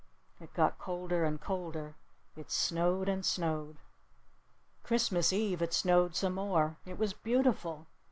It got colder and colder. It snowed and snowed. Christmas eve it snowed some more. It was beautiful.